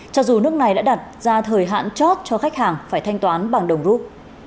cho dù nước này đã đặt ra thời hạn chót cho khách hàng phải thanh toán bằng đồng rút